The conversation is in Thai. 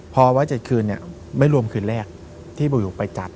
พอไว้๗คืนไม่รวมคืนแรกที่หมู่ไปจัด